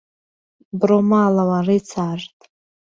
بڕۆ ماڵەوە، ڕیچارد.